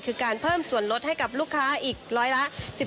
คือการเพิ่มส่วนลดให้กับลูกค้าอีกร้อยละ๑๕